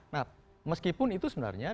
nah meskipun itu sebenarnya